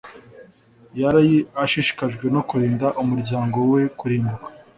yari ashishikajwe no kurinda umuryango we kurimbuka